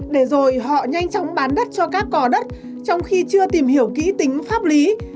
để rồi họ nhanh chóng bán đất cho các cò đất trong khi chưa tìm hiểu kỹ tính pháp lý